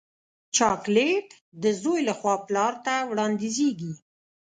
چاکلېټ د زوی له خوا پلار ته وړاندیزېږي.